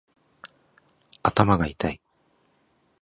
頭がいたい